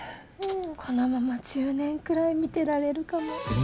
このまま１０年くらい見てられるかも。